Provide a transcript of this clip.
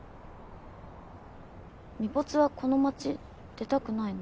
みぽつはこの町出たくないの？